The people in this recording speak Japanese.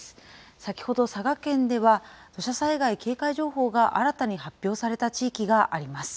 先ほど佐賀県では、土砂災害警戒情報が新たに発表された地域があります。